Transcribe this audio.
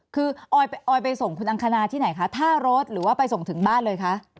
คือออยไปส่งคุณอังคณาที่ไหนคะท่ารถหรือว่าไปส่งถึงบ้านเลยคะ